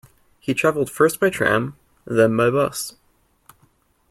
He travelled first by tram, then by bus